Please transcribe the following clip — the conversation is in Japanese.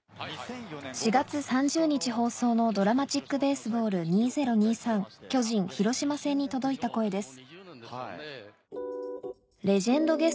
４月３０日放送の『ＤＲＡＭＡＴＩＣＢＡＳＥＢＡＬＬ２０２３』巨人×広島戦に届いた声です